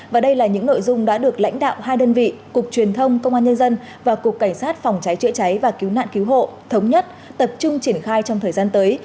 và đây là những nội dung đã được lãnh đạo hai đơn vị cục truyền thông công an nhân dân và cục cảnh sát phòng cháy chữa cháy và cứu nạn cứu hộ thống nhất tập trung triển khai trong thời gian tới